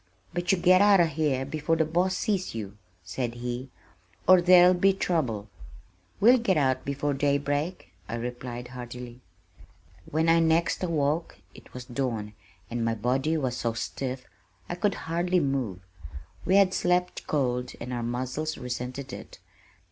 "But you get out o' here before the boss sees you," said he, "or there'll be trouble." "We'll get out before daybreak," I replied heartily. When I next awoke it was dawn, and my body was so stiff I could hardly move. We had slept cold and our muscles resented it.